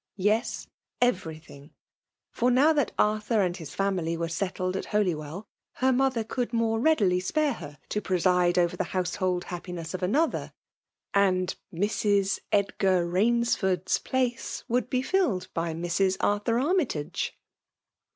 Yes — everything! For now that Arthur and his family were settled at Holywell, her mother could more readily spare her to preside over the household happi r VBMALK domikatiok; 81' nesa of another ; and *' Mrs. Edglur Bains ford*s '* place would be filled by Mra Arthur Armytagc